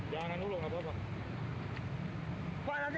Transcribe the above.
dia sempat ngeluarin kayak siapi gitu